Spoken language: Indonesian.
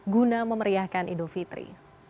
guna memeriahkan idul fitri